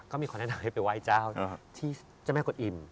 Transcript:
ก็มีคนแนะนำให้ไปไหว้เจ้าที่เจ้าแม่กวดอิ่ม